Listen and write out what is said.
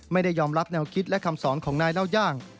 ไม่ได้ยอมรับแนวคิดและคำสอนของนายเล่าย่าง